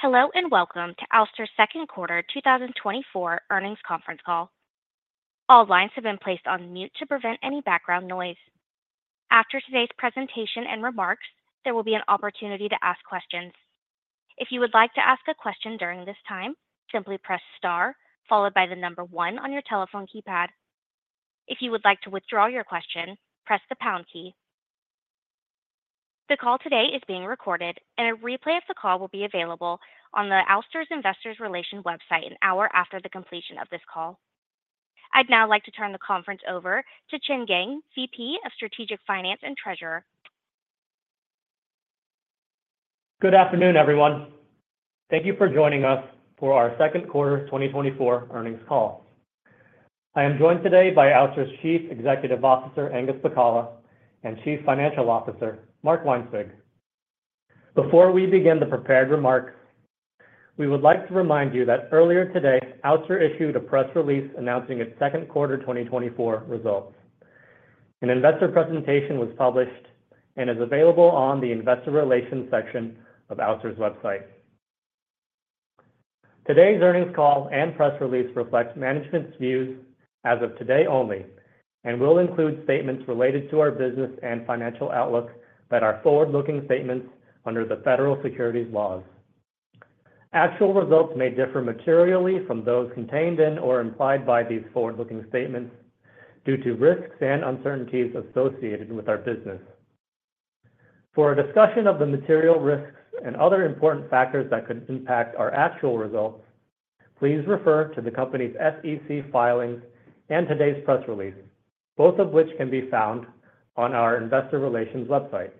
Hello, and welcome to Ouster's second quarter 2024 earnings conference call. All lines have been placed on mute to prevent any background noise. After today's presentation and remarks, there will be an opportunity to ask questions. If you would like to ask a question during this time, simply press star followed by the number 1 on your telephone keypad. If you would like to withdraw your question, press the pound key. The call today is being recorded, and a replay of the call will be available on Ouster's Investor Relations website an hour after the completion of this call. I'd now like to turn the conference over to Chen Geng, VP of Strategic Finance and Treasurer. Good afternoon, everyone. Thank you for joining us for our second quarter 2024 earnings call. I am joined today by Ouster's Chief Executive Officer, Angus Pacala, and Chief Financial Officer, Mark Weinswig. Before we begin the prepared remarks, we would like to remind you that earlier today, Ouster issued a press release announcing its second quarter 2024 results. An investor presentation was published and is available on the Investor Relations section of Ouster's website. Today's earnings call and press release reflects management's views as of today only and will include statements related to our business and financial outlook that are forward-looking statements under the federal securities laws. Actual results may differ materially from those contained in or implied by these forward-looking statements due to risks and uncertainties associated with our business. For a discussion of the material risks and other important factors that could impact our actual results, please refer to the company's SEC filings and today's press release, both of which can be found on our Investor Relations website.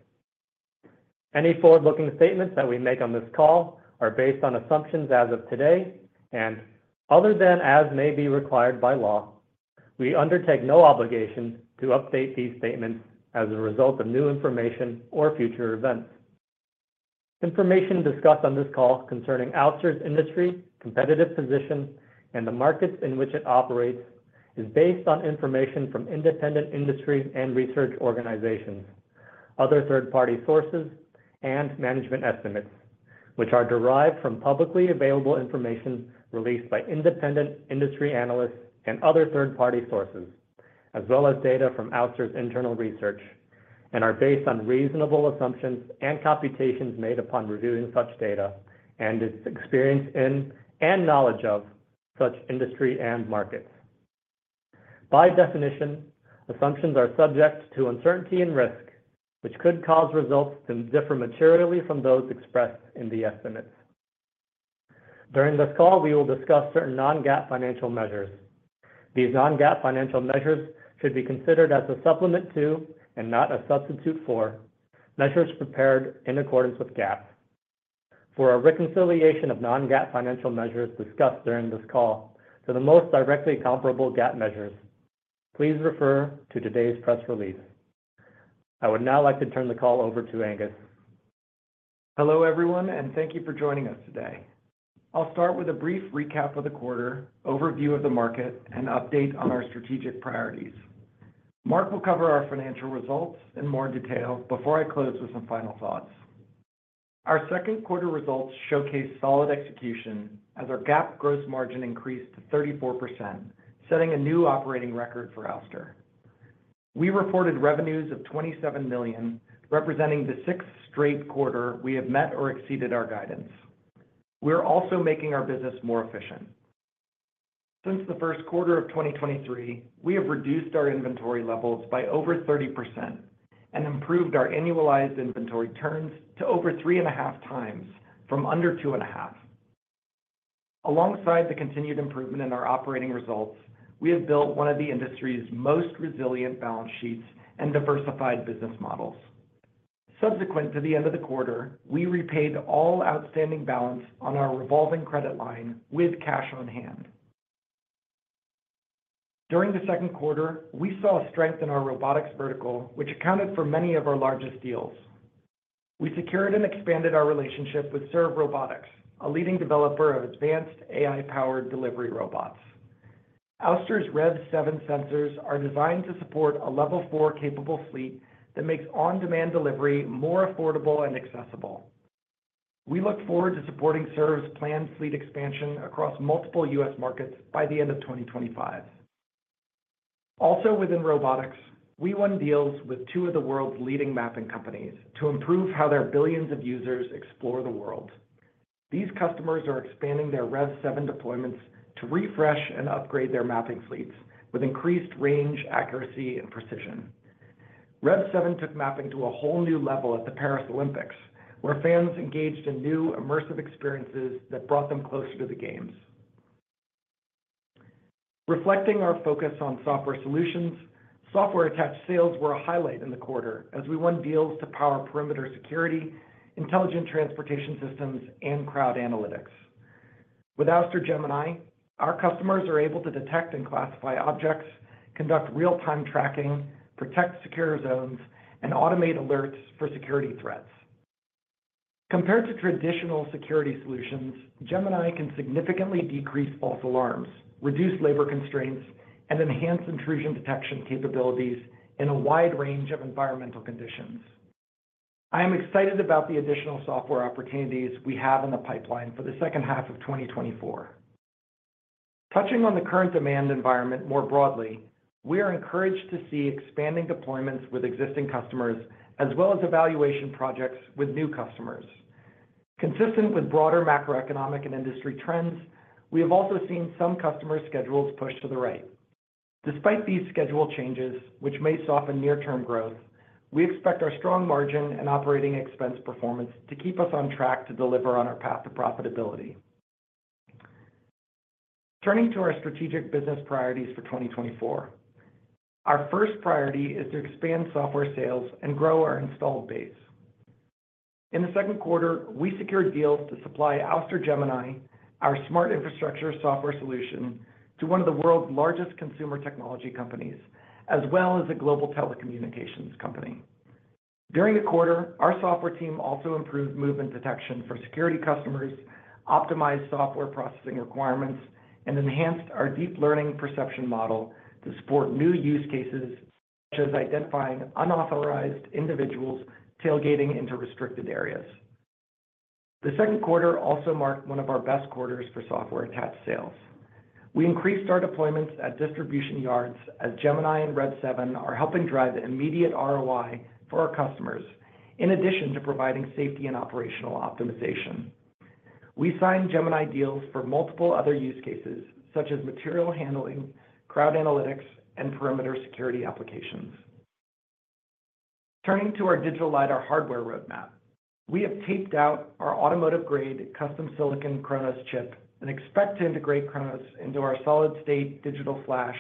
Any forward-looking statements that we make on this call are based on assumptions as of today, and other than as may be required by law, we undertake no obligation to update these statements as a result of new information or future events. Information discussed on this call concerning Ouster's industry, competitive position, and the markets in which it operates, is based on information from independent industry and research organizations, other third-party sources, and management estimates, which are derived from publicly available information released by independent industry analysts and other third-party sources, as well as data from Ouster's internal research, and are based on reasonable assumptions and computations made upon reviewing such data and its experience in and knowledge of such industry and markets. By definition, assumptions are subject to uncertainty and risk, which could cause results to differ materially from those expressed in the estimates. During this call, we will discuss certain Non-GAAP financial measures. These Non-GAAP financial measures should be considered as a supplement to, and not a substitute for, measures prepared in accordance with GAAP. For a reconciliation of non-GAAP financial measures discussed during this call to the most directly comparable GAAP measures, please refer to today's press release. I would now like to turn the call over to Angus. Hello, everyone, and thank you for joining us today. I'll start with a brief recap of the quarter, overview of the market, and update on our strategic priorities. Mark will cover our financial results in more detail before I close with some final thoughts. Our second quarter results showcase solid execution as our GAAP gross margin increased to 34%, setting a new operating record for Ouster. We reported revenues of $27 million, representing the sixth straight quarter we have met or exceeded our guidance. We're also making our business more efficient. Since the first quarter of 2023, we have reduced our inventory levels by over 30% and improved our annualized inventory turns to over 3.5 times from under 2.5. Alongside the continued improvement in our operating results, we have built one of the industry's most resilient balance sheets and diversified business models. Subsequent to the end of the quarter, we repaid all outstanding balance on our revolving credit line with cash on hand. During the second quarter, we saw a strength in our robotics vertical, which accounted for many of our largest deals. We secured and expanded our relationship with Serve Robotics, a leading developer of advanced AI-powered delivery robots. Ouster's REV7 sensors are designed to support a Level 4 capable fleet that makes on-demand delivery more affordable and accessible. We look forward to supporting Serve's planned fleet expansion across multiple US markets by the end of 2025. Also within robotics, we won deals with two of the world's leading mapping companies to improve how their billions of users explore the world. These customers are expanding their REV7 deployments to refresh and upgrade their mapping fleets with increased range, accuracy, and precision. REV7 took mapping to a whole new level at the Paris Olympics, where fans engaged in new immersive experiences that brought them closer to the games. Reflecting our focus on software solutions, software-attached sales were a highlight in the quarter as we won deals to power perimeter security, intelligent transportation systems, and crowd analytics. With Ouster Gemini, our customers are able to detect and classify objects, conduct real-time tracking, protect secure zones, and automate alerts for security threats. Compared to traditional security solutions, Gemini can significantly decrease false alarms, reduce labor constraints, and enhance intrusion detection capabilities in a wide range of environmental conditions. I am excited about the additional software opportunities we have in the pipeline for the second half of 2024.... Touching on the current demand environment more broadly, we are encouraged to see expanding deployments with existing customers, as well as evaluation projects with new customers. Consistent with broader macroeconomic and industry trends, we have also seen some customer schedules pushed to the right. Despite these schedule changes, which may soften near-term growth, we expect our strong margin and operating expense performance to keep us on track to deliver on our path to profitability. Turning to our strategic business priorities for 2024. Our first priority is to expand software sales and grow our installed base. In the second quarter, we secured deals to supply Ouster Gemini, our smart infrastructure software solution, to one of the world's largest consumer technology companies, as well as a global telecommunications company. During the quarter, our software team also improved movement detection for security customers, optimized software processing requirements, and enhanced our deep learning perception model to support new use cases, such as identifying unauthorized individuals tailgating into restricted areas. The second quarter also marked one of our best quarters for software attach sales. We increased our deployments at distribution yards as Gemini and REV7 are helping drive immediate ROI for our customers, in addition to providing safety and operational optimization. We signed Gemini deals for multiple other use cases, such as material handling, crowd analytics, and perimeter security applications. Turning to our digital LiDAR hardware roadmap, we have taped out our automotive-grade custom silicon Cronus chip and expect to integrate Cronus into our solid-state digital flash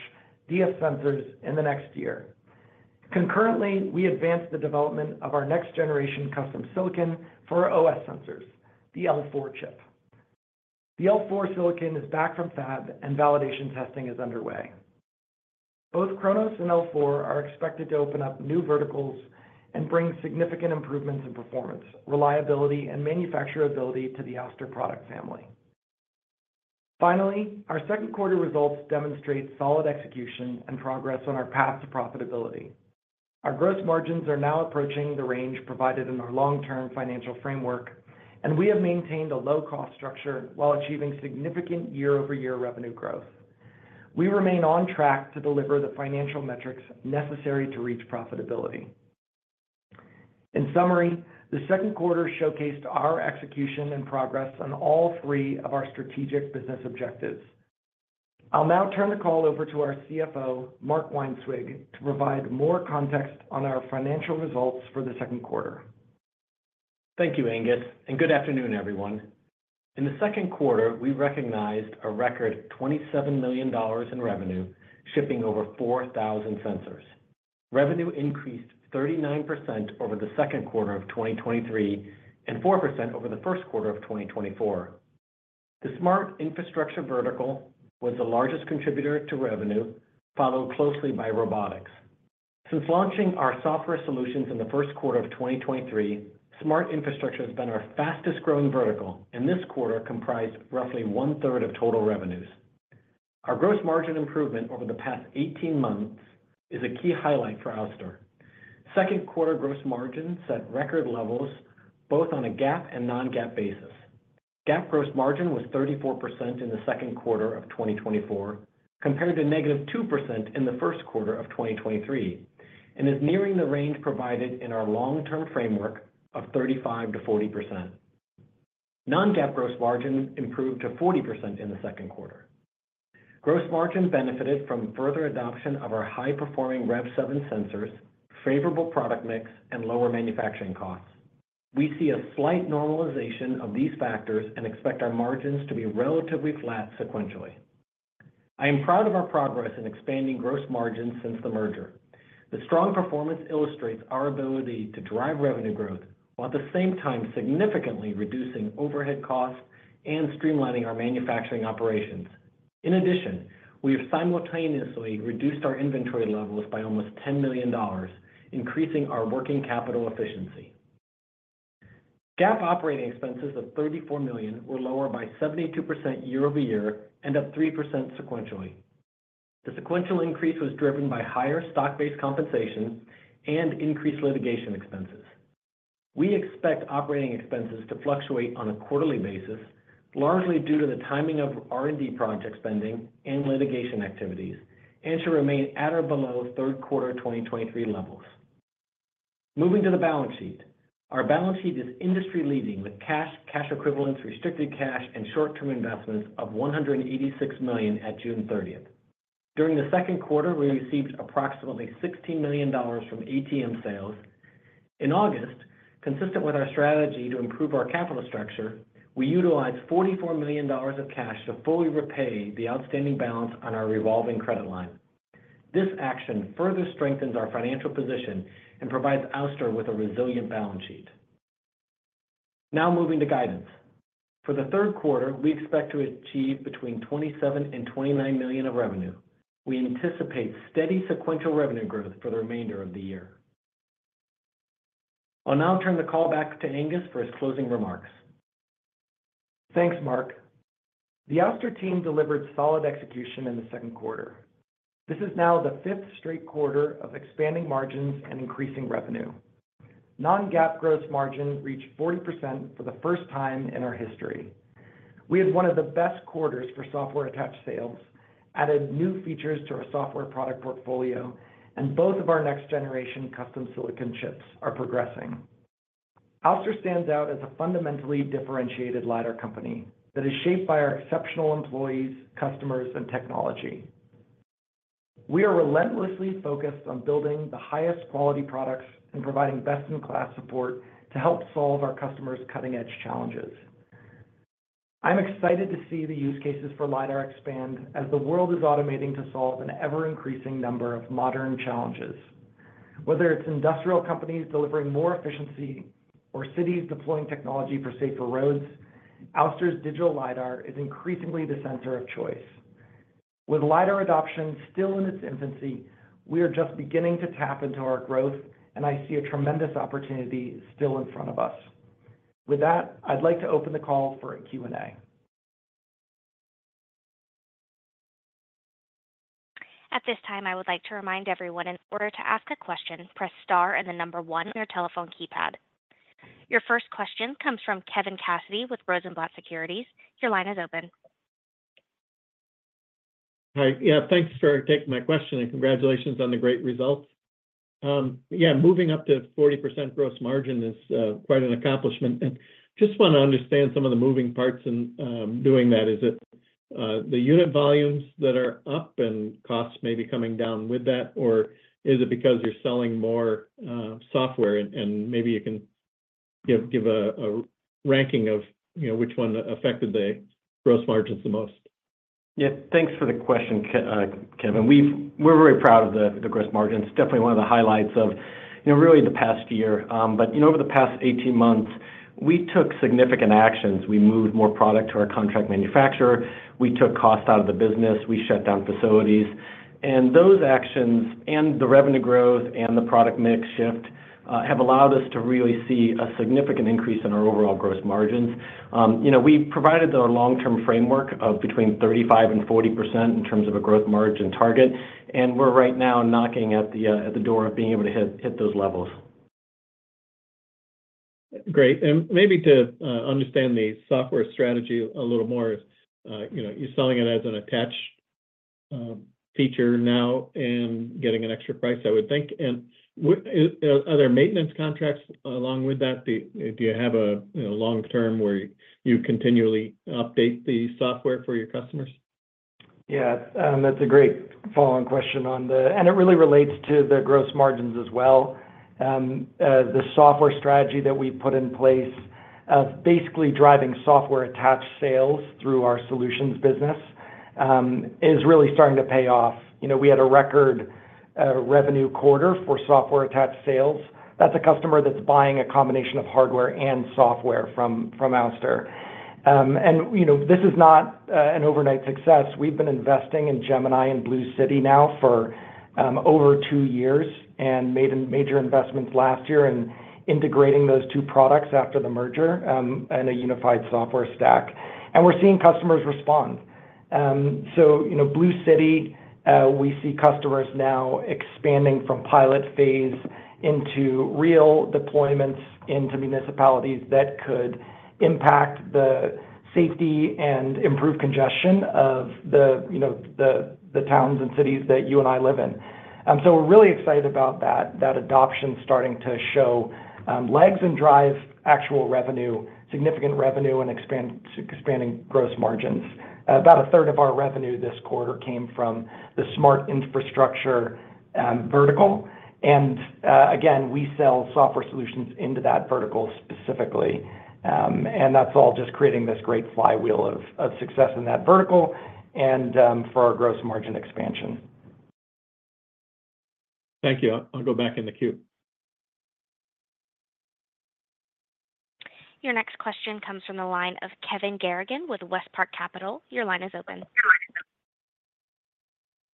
DF sensors in the next year. Concurrently, we advanced the development of our next generation custom silicon for our OS sensors, the L4 chip. The L4 silicon is back from fab and validation testing is underway. Both Chronos and L4 are expected to open up new verticals and bring significant improvements in performance, reliability, and manufacturability to the Ouster product family. Finally, our second quarter results demonstrate solid execution and progress on our path to profitability. Our gross margins are now approaching the range provided in our long-term financial framework, and we have maintained a low cost structure while achieving significant year-over-year revenue growth. We remain on track to deliver the financial metrics necessary to reach profitability. In summary, the second quarter showcased our execution and progress on all three of our strategic business objectives. I'll now turn the call over to our CFO, Mark Weinswig, to provide more context on our financial results for the second quarter. Thank you, Angus, and good afternoon, everyone. In the second quarter, we recognized a record $27 million in revenue, shipping over 4,000 sensors. Revenue increased 39% over the second quarter of 2023, and 4% over the first quarter of 2024. The smart infrastructure vertical was the largest contributor to revenue, followed closely by robotics. Since launching our software solutions in the first quarter of 2023, smart infrastructure has been our fastest-growing vertical, and this quarter comprised roughly one-third of total revenues. Our gross margin improvement over the past 18 months is a key highlight for Ouster. Second quarter gross margin set record levels both on a GAAP and non-GAAP basis. GAAP gross margin was 34% in the second quarter of 2024, compared to -2% in the first quarter of 2023, and is nearing the range provided in our long-term framework of 35%-40%. Non-GAAP gross margin improved to 40% in the second quarter. Gross margin benefited from further adoption of our high-performing REV7 sensors, favorable product mix, and lower manufacturing costs. We see a slight normalization of these factors and expect our margins to be relatively flat sequentially. I am proud of our progress in expanding gross margins since the merger. The strong performance illustrates our ability to drive revenue growth, while at the same time significantly reducing overhead costs and streamlining our manufacturing operations. In addition, we have simultaneously reduced our inventory levels by almost $10 million, increasing our working capital efficiency. GAAP operating expenses of $34 million were lower by 72% year-over-year and up 3% sequentially. The sequential increase was driven by higher stock-based compensation and increased litigation expenses. We expect operating expenses to fluctuate on a quarterly basis, largely due to the timing of R&D project spending and litigation activities, and to remain at or below third quarter 2023 levels. Moving to the balance sheet. Our balance sheet is industry-leading, with cash, cash equivalents, restricted cash, and short-term investments of $186 million at June 30. During the second quarter, we received approximately $16 million from ATM sales. In August, consistent with our strategy to improve our capital structure, we utilized $44 million of cash to fully repay the outstanding balance on our revolving credit line. This action further strengthens our financial position and provides Ouster with a resilient balance sheet. Now moving to guidance. For the third quarter, we expect to achieve between $27 million and $29 million of revenue. We anticipate steady sequential revenue growth for the remainder of the year. I'll now turn the call back to Angus for his closing remarks. Thanks, Mark. The Ouster team delivered solid execution in the second quarter. This is now the fifth straight quarter of expanding margins and increasing revenue. Non-GAAP gross margin reached 40% for the first time in our history. We had one of the best quarters for software attached sales, added new features to our software product portfolio, and both of our next generation custom silicon chips are progressing. Ouster stands out as a fundamentally differentiated LiDAR company that is shaped by our exceptional employees, customers, and technology. We are relentlessly focused on building the highest quality products and providing best-in-class support to help solve our customers' cutting-edge challenges. I'm excited to see the use cases for LiDAR expand as the world is automating to solve an ever-increasing number of modern challenges. Whether it's industrial companies delivering more efficiency or cities deploying technology for safer roads, Ouster's Digital LiDAR is increasingly the center of choice. With LiDAR adoption still in its infancy, we are just beginning to tap into our growth, and I see a tremendous opportunity still in front of us. With that, I'd like to open the call for a Q&A. At this time, I would like to remind everyone, in order to ask a question, press star and 1 on your telephone keypad. Your first question comes from Kevin Cassidy with Rosenblatt Securities. Your line is open. Hi. Yeah, thanks for taking my question, and congratulations on the great results. Yeah, moving up to 40% gross margin is quite an accomplishment. Just want to understand some of the moving parts in doing that. Is it the unit volumes that are up and costs may be coming down with that, or is it because you're selling more software and maybe you can give a ranking of, you know, which one affected the gross margins the most? Yeah, thanks for the question, Kevin. We're very proud of the gross margin. It's definitely one of the highlights of, you know, really the past year. But, you know, over the past 18 months, we took significant actions. We moved more product to our contract manufacturer, we took costs out of the business, we shut down facilities. And those actions and the revenue growth and the product mix shift have allowed us to really see a significant increase in our overall gross margins. You know, we provided our long-term framework of between 35% and 40% in terms of a growth margin target, and we're right now knocking at the door of being able to hit those levels. Great. And maybe to understand the software strategy a little more, you know, you're selling it as an attached feature now and getting an extra price, I would think. And are there maintenance contracts along with that? Do you have a, you know, long term where you continually update the software for your customers? Yeah. That's a great follow-on question on the— and it really relates to the gross margins as well. The software strategy that we put in place, of basically driving software-attached sales through our solutions business, is really starting to pay off. You know, we had a record revenue quarter for software-attached sales. That's a customer that's buying a combination of hardware and software from, from Ouster. And, you know, this is not an overnight success. We've been investing in Gemini and BlueCity now for over two years and made major investments last year in integrating those two products after the merger, in a unified software stack. And we're seeing customers respond. So, you know, BlueCity, we see customers now expanding from pilot phase into real deployments into municipalities that could impact the safety and improve congestion of the, you know, the, the towns and cities that you and I live in. So we're really excited about that. That adoption starting to show legs and drive actual revenue, significant revenue, and expanding gross margins. About a third of our revenue this quarter came from the smart infrastructure vertical. And again, we sell software solutions into that vertical specifically. And that's all just creating this great flywheel of success in that vertical and for our gross margin expansion. Thank you. I'll go back in the queue. Your next question comes from the line of Kevin Garrigan with West Park Capital. Your line is open.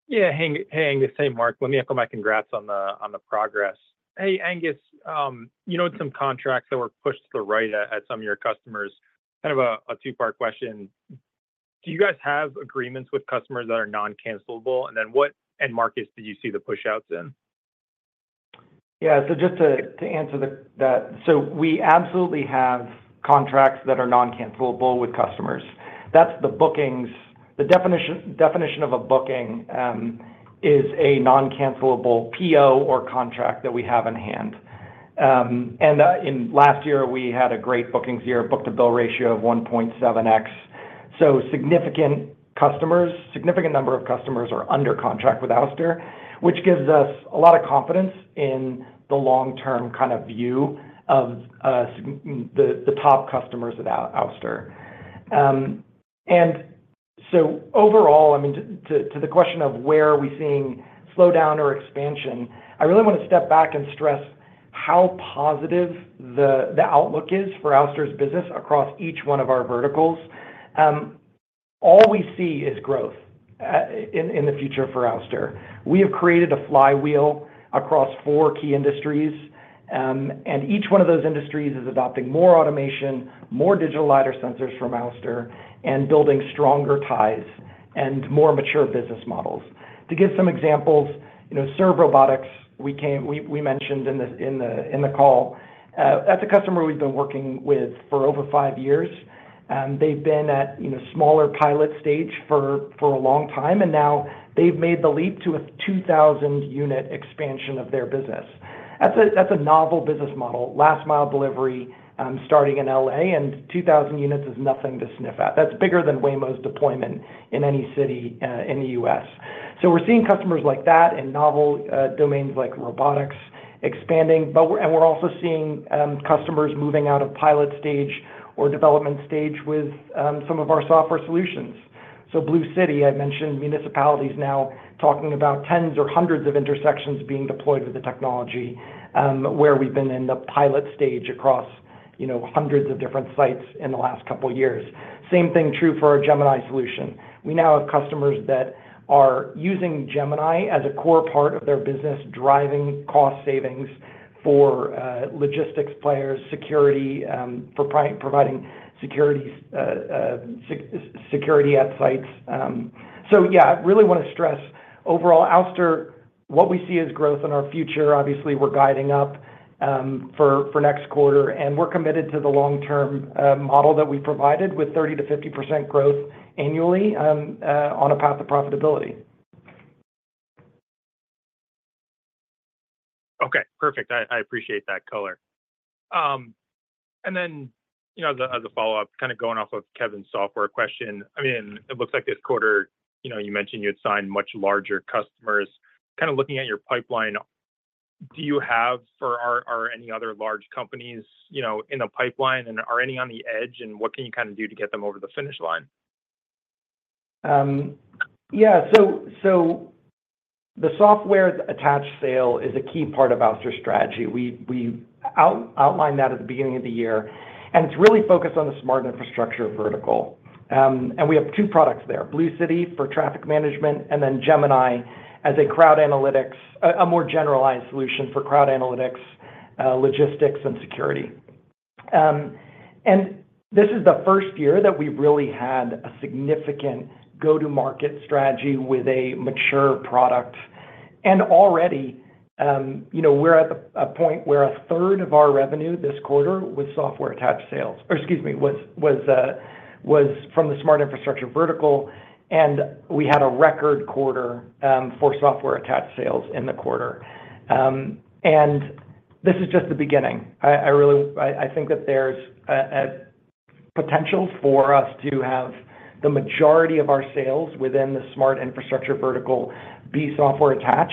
Yeah, hey, hey, Angus. Hey, Mark. Let me echo my congrats on the, on the progress. Hey, Angus, you know, some contracts that were pushed to the right at, at some of your customers. Kind of a, a two-part question: Do you guys have agreements with customers that are non-cancelable? And then, what end markets did you see the pushouts in? Yeah. So just to answer that, so we absolutely have contracts that are non-cancelable with customers. That's the bookings. The definition of a booking is a non-cancelable PO or contract that we have in hand. And in last year, we had a great bookings year, book-to-bill ratio of 1.7x. So significant customers, significant number of customers are under contract with Ouster, which gives us a lot of confidence in the long-term kind of view of the top customers at Ouster. And so overall, I mean, to the question of where are we seeing slowdown or expansion, I really want to step back and stress how positive the outlook is for Ouster's business across each one of our verticals. All we see is growth in the future for Ouster. We have created a flywheel across four key industries, and each one of those industries is adopting more automation, more digital LiDAR sensors from Ouster, and building stronger ties and more mature business models. To give some examples, you know, Serve Robotics, we mentioned in the call, that's a customer we've been working with for over five years. They've been at, you know, smaller pilot stage for a long time, and now they've made the leap to a 2,000-unit expansion of their business. That's a novel business model, last mile delivery, starting in L.A., and 2,000 units is nothing to sniff at. That's bigger than Waymo's deployment in any city, in the U.S. So we're seeing customers like that in novel domains like robotics expanding, but and we're also seeing customers moving out of pilot stage or development stage with some of our software solutions. So Blue City, I mentioned municipalities now talking about tens or hundreds of intersections being deployed with the technology, where we've been in the pilot stage across, you know, hundreds of different sites in the last couple of years. Same thing true for our Gemini solution. We now have customers that are using Gemini as a core part of their business, driving cost savings for logistics players, security for providing security at sites. So yeah, I really wanna stress overall, Ouster, what we see is growth in our future. Obviously, we're guiding up for next quarter, and we're committed to the long-term model that we provided with 30%-50% growth annually on a path to profitability. Okay, perfect. I, I appreciate that color. And then, you know, as a, as a follow-up, kind of going off of Kevin's software question, I mean, it looks like this quarter, you know, you mentioned you had signed much larger customers. Kind of looking at your pipeline, do you have or are, are any other large companies, you know, in the pipeline and are any on the edge, and what can you kind of do to get them over the finish line? Yeah. So the software attached sale is a key part of Ouster's strategy. We outlined that at the beginning of the year, and it's really focused on the smart infrastructure vertical. And we have two products there, Blue City for traffic management, and then Gemini as a crowd analytics, a more generalized solution for crowd analytics, logistics, and security. And this is the first year that we've really had a significant go-to-market strategy with a mature product. And already, you know, we're at a point where a third of our revenue this quarter was software attached sales, or excuse me, was from the smart infrastructure vertical, and we had a record quarter for software attached sales in the quarter. And this is just the beginning. I really think that there's a potential for us to have the majority of our sales within the smart infrastructure vertical be software attached.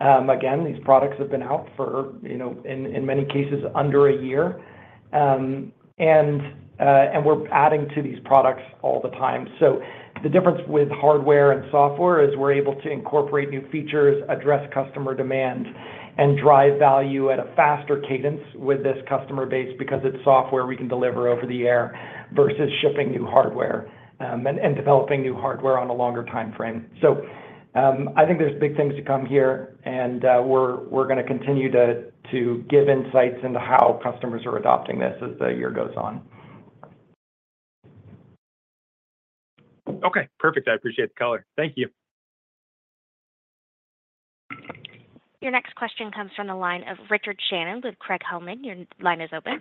Again, these products have been out for, you know, in many cases, under a year. And we're adding to these products all the time. So the difference with hardware and software is we're able to incorporate new features, address customer demand, and drive value at a faster cadence with this customer base because it's software we can deliver over the air versus shipping new hardware and developing new hardware on a longer timeframe. So, I think there's big things to come here, and, we're gonna continue to give insights into how customers are adopting this as the year goes on. Okay, perfect. I appreciate the color. Thank you. Your next question comes from the line of Richard Shannon with Craig-Hallum. Your line is open.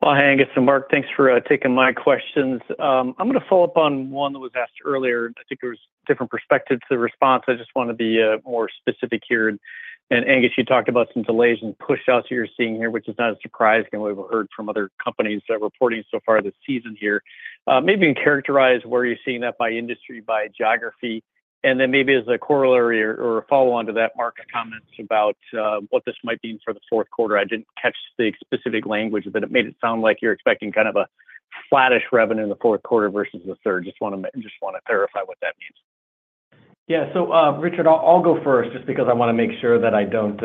Well, hi, Angus and Mark, thanks for taking my questions. I'm gonna follow up on one that was asked earlier. I think there was different perspectives to the response. I just wanna be more specific here. And Angus, you talked about some delays and pushouts you're seeing here, which is not a surprise, and we've heard from other companies that reporting so far this season here. Maybe you can characterize where you're seeing that by industry, by geography, and then maybe as a corollary or follow-on to that, Mark, comments about what this might mean for the fourth quarter. I didn't catch the specific language, but it made it sound like you're expecting kind of a flattish revenue in the fourth quarter versus the third. Just wanna clarify what that means. Yeah. So, Richard, I'll go first just because I wanna make sure that I don't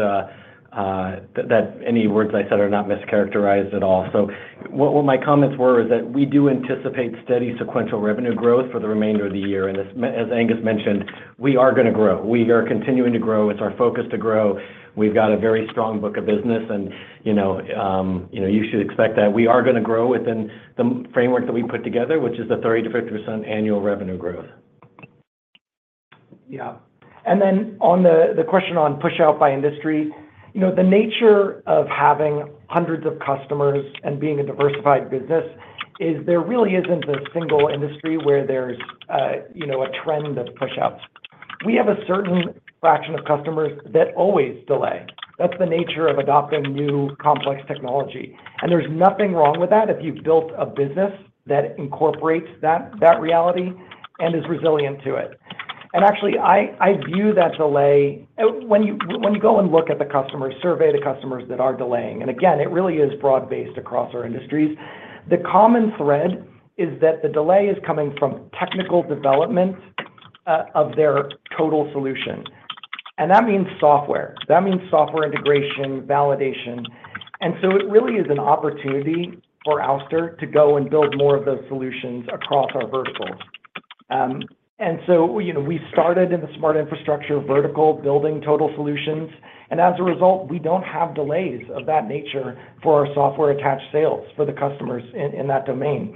that any words I said are not mischaracterized at all. So what my comments were is that we do anticipate steady sequential revenue growth for the remainder of the year. And as Angus mentioned, we are gonna grow. We are continuing to grow. It's our focus to grow. We've got a very strong book of business, and, you know, you should expect that we are gonna grow within the framework that we put together, which is the 30%-50% annual revenue growth. Yeah. And then on the question on push out by industry, you know, the nature of having hundreds of customers and being a diversified business is there really isn't a single industry where there's, you know, a trend of pushouts. We have a certain fraction of customers that always delay. That's the nature of adopting new complex technology, and there's nothing wrong with that if you've built a business that incorporates that reality and is resilient to it. And actually, I view that delay. When you go and look at the customers, survey the customers that are delaying, and again, it really is broad-based across our industries. The common thread is that the delay is coming from technical development of their total solution, and that means software. That means software integration, validation. It really is an opportunity for Ouster to go and build more of those solutions across our verticals. You know, we started in the smart infrastructure vertical, building total solutions, and as a result, we don't have delays of that nature for our software attached sales for the customers in that domain.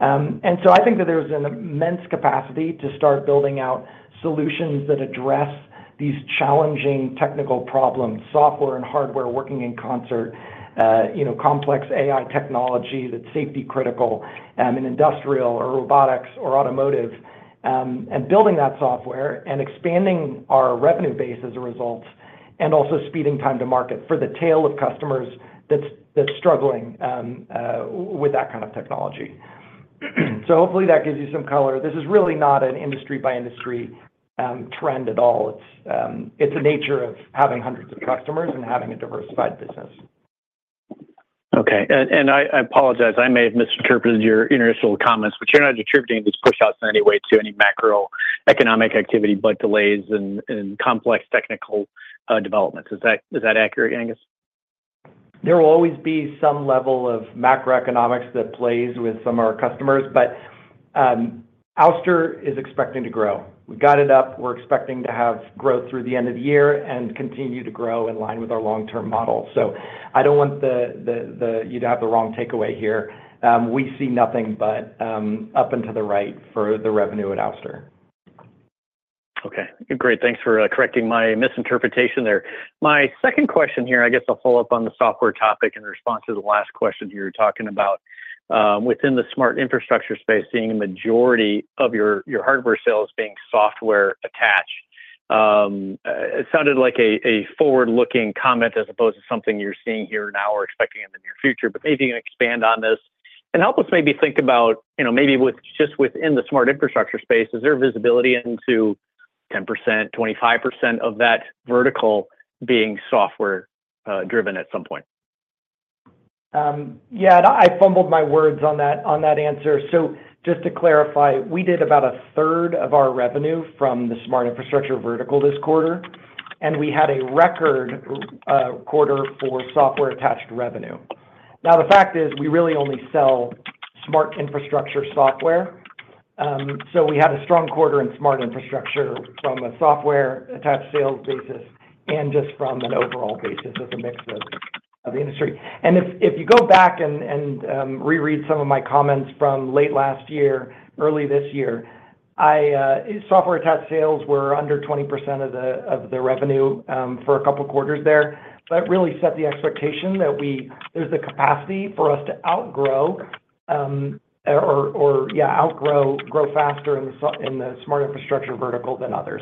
I think that there's an immense capacity to start building out solutions that address these challenging technical problems, software and hardware, working in concert. You know, complex AI technology that's safety critical in industrial or robotics or automotive, and building that software and expanding our revenue base as a result, and also speeding time to market for the tail of customers that's struggling with that kind of technology. So hopefully that gives you some color. This is really not an industry-by-industry, trend at all. It's, it's the nature of having hundreds of customers and having a diversified business. Okay. And I apologize. I may have misinterpreted your initial comments, but you're not attributing these pushouts in any way to any macroeconomic activity, but delays and complex technical developments. Is that accurate, Angus? There will always be some level of macroeconomics that plays with some of our customers, but Ouster is expecting to grow. We got it up. We're expecting to have growth through the end of the year and continue to grow in line with our long-term model. So I don't want you to have the wrong takeaway here. We see nothing but up into the right for the revenue at Ouster. Okay, great. Thanks for correcting my misinterpretation there. My second question here, I guess I'll follow up on the software topic in response to the last question you were talking about, within the smart infrastructure space, seeing a majority of your hardware sales being software-attached. It sounded like a forward-looking comment as opposed to something you're seeing here now or expecting in the near future. But maybe you can expand on this and help us maybe think about, you know, maybe with just within the smart infrastructure space, is there visibility into 10%, 25% of that vertical being software driven at some point? Yeah, and I fumbled my words on that, on that answer. So just to clarify, we did about a third of our revenue from the smart infrastructure vertical this quarter, and we had a record quarter for software-attached revenue. Now, the fact is, we really only sell smart infrastructure software. So we had a strong quarter in smart infrastructure from a software-attached sales basis and just from an overall basis as a mix of the industry. And if you go back and reread some of my comments from late last year, early this year, I... software-attached sales were under 20% of the revenue for a couple of quarters there. That really set the expectation that there's the capacity for us to outgrow, grow faster in the smart infrastructure vertical than others.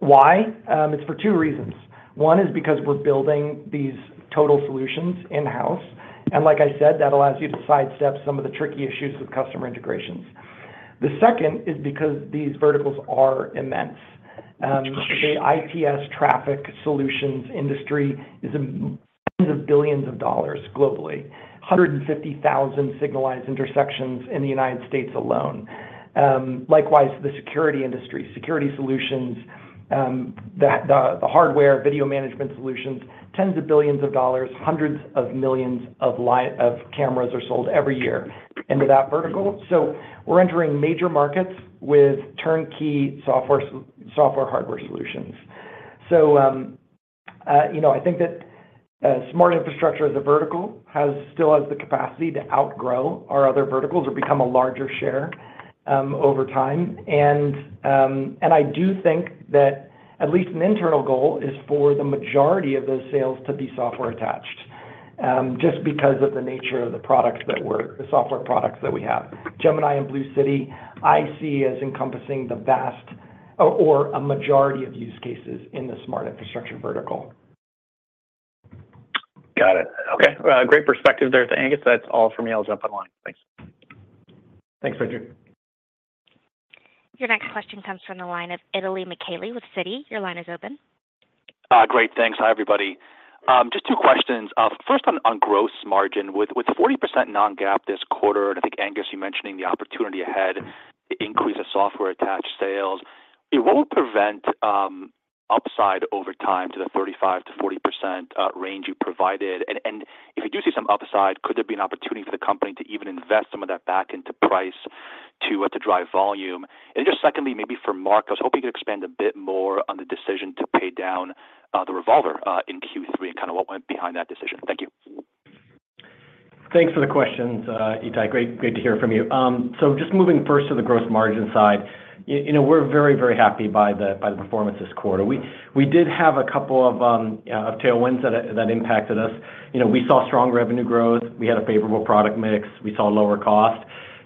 Why? It's for two reasons. One is because we're building these total solutions in-house, and like I said, that allows you to sidestep some of the tricky issues with customer integrations. The second is because these verticals are immense. The ITS traffic solutions industry is $10s of billions globally, 150,000 signalized intersections in the United States alone. Likewise, the security industry, security solutions, the hardware, video management solutions, $10s of billions, hundreds of millions of cameras are sold every year into that vertical. So we're entering major markets with turnkey software, hardware solutions. So, you know, I think that smart infrastructure as a vertical still has the capacity to outgrow our other verticals or become a larger share over time. And I do think that at least an internal goal is for the majority of those sales to be software-attached just because of the nature of the software products that we have. Gemini and Blue City, I see as encompassing the vast majority of use cases in the smart infrastructure vertical. Got it. Okay. Great perspective there, Angus. That's all for me. I'll jump on the line. Thanks. Thanks, Richard. Your next question comes from the line of Itai Michaeli with Citi. Your line is open. Great, thanks. Hi, everybody. Just two questions. First, on gross margin, with 40% non-GAAP this quarter, and I think, Angus, you mentioning the opportunity ahead to increase the software-attached sales, it won't prevent upside over time to the 35%-40% range you provided. And, and if you do see some upside, could there be an opportunity for the company to even invest some of that back into price to drive volume? And just secondly, maybe for Mark, I was hoping you could expand a bit more on the decision to pay down the revolver in Q3 and kind of what went behind that decision. Thank you. Thanks for the questions, Itai. Great, great to hear from you. So just moving first to the gross margin side, you know, we're very, very happy by the performance this quarter. We did have a couple of tailwinds that impacted us. You know, we saw strong revenue growth. We had a favorable product mix. We saw lower cost.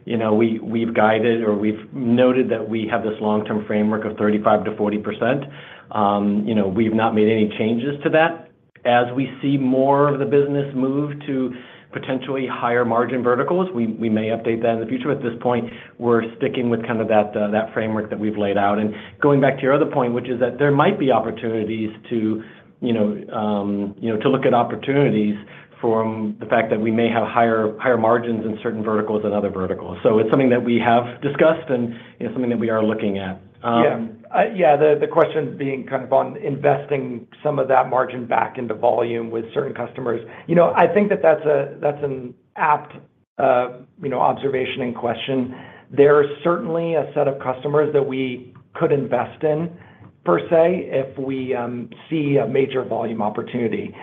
You know, we've guided or we've noted that we have this long-term framework of 35%-40%. You know, we've not made any changes to that. As we see more of the business move to potentially higher margin verticals, we may update that in the future. At this point, we're sticking with kind of that framework that we've laid out. And going back to your other point, which is that there might be opportunities to, you know, you know, to look at opportunities from the fact that we may have higher, higher margins in certain verticals than other verticals. So it's something that we have discussed and, you know, something that we are looking at, Yeah. Yeah, the question being kind of on investing some of that margin back into volume with certain customers. You know, I think that that's a, that's an apt, you know, observation and question. There are certainly a set of customers that we could invest in, per se, if we see a major volume opportunity. ...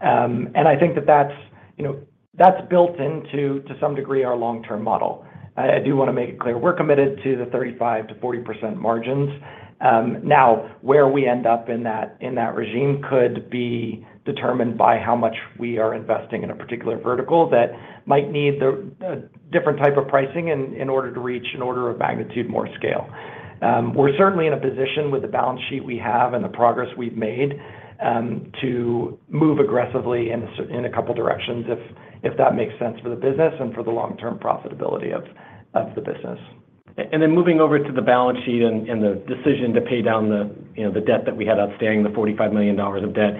And I think that that's, you know, that's built into, to some degree, our long-term model. I do wanna make it clear, we're committed to the 35%-40% margins. Now, where we end up in that, in that regime could be determined by how much we are investing in a particular vertical that might need the different type of pricing in, in order to reach an order of magnitude more scale. We're certainly in a position with the balance sheet we have and the progress we've made, to move aggressively in a couple directions, if, if that makes sense for the business and for the long-term profitability of, of the business. Then moving over to the balance sheet and the decision to pay down the, you know, the debt that we had outstanding, the $45 million of debt.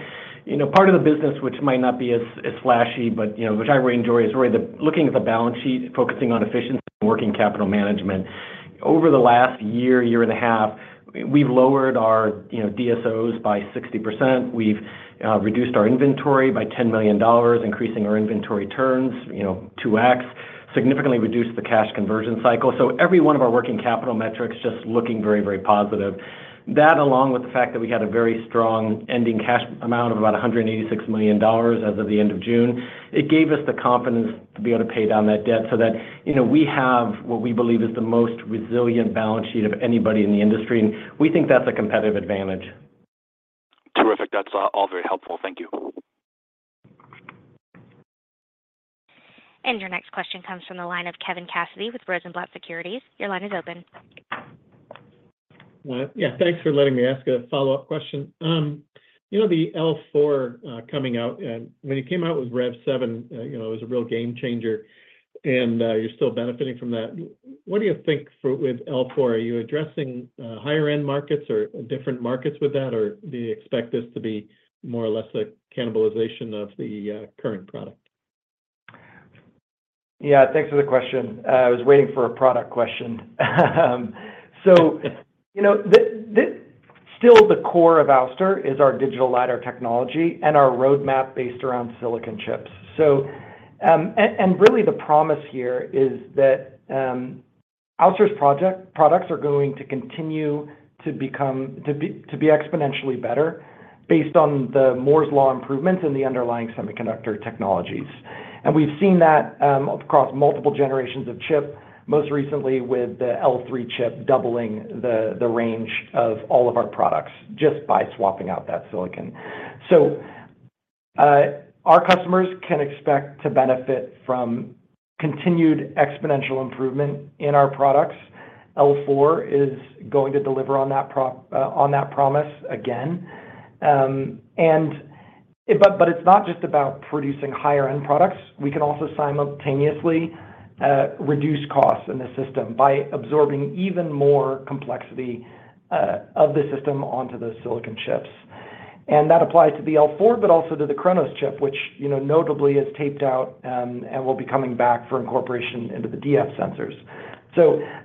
You know, part of the business, which might not be as flashy, but, you know, which I really enjoy, is really the looking at the balance sheet, focusing on efficiency and working capital management. Over the last year and a half, we've lowered our, you know, DSOs by 60%. We've reduced our inventory by $10 million, increasing our inventory turns, you know, 2x. Significantly reduced the cash conversion cycle. So every one of our working capital metrics just looking very, very positive. That, along with the fact that we had a very strong ending cash amount of about $186 million as of the end of June, it gave us the confidence to be able to pay down that debt so that, you know, we have what we believe is the most resilient balance sheet of anybody in the industry, and we think that's a competitive advantage. Terrific. That's all very helpful. Thank you. Your next question comes from the line of Kevin Cassidy with Rosenblatt Securities. Your line is open. Well, yeah, thanks for letting me ask a follow-up question. You know, the L4 coming out, and when you came out with REV7, you know, it was a real game changer, and you're still benefiting from that. What do you think for with L4? Are you addressing higher-end markets or different markets with that, or do you expect this to be more or less a cannibalization of the current product? Yeah, thanks for the question. I was waiting for a product question. So you know, still the core of Ouster is our Digital LiDAR technology and our roadmap based around silicon chips. So, really, the promise here is that Ouster's products are going to continue to be exponentially better based on the Moore's Law improvements in the underlying semiconductor technologies. And we've seen that across multiple generations of chip, most recently with the L3 chip, doubling the range of all of our products, just by swapping out that silicon. So, our customers can expect to benefit from continued exponential improvement in our products. L4 is going to deliver on that promise again. But it's not just about producing higher-end products. We can also simultaneously reduce costs in the system by absorbing even more complexity of the system onto those silicon chips. That applies to the L4, but also to the Chronos chip, which, you know, notably is taped out and will be coming back for incorporation into the DF sensors.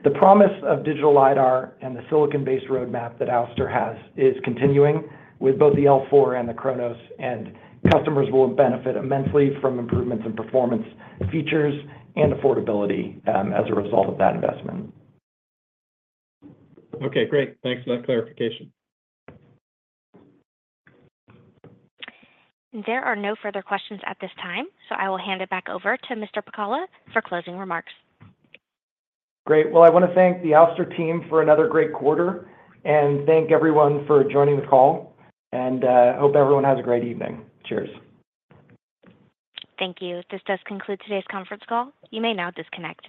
The promise of digital LiDAR and the silicon-based roadmap that Ouster has is continuing with both the L4 and the Chronos, and customers will benefit immensely from improvements in performance, features, and affordability as a result of that investment. Okay, great. Thanks for that clarification. There are no further questions at this time, so I will hand it back over to Mr. Pacala for closing remarks. Great. Well, I wanna thank the Ouster team for another great quarter, and thank everyone for joining the call, and hope everyone has a great evening. Cheers. Thank you. This does conclude today's conference call. You may now disconnect.